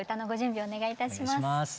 お願いいたします。